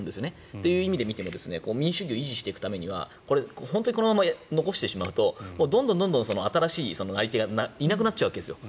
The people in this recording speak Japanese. という意味で見ても民主主義を維持していくためには本当にこのまま残してしまうとどんどん新しいなり手がいなくなるわけですよ。